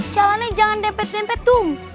jalannya jangan dempet dempet tuh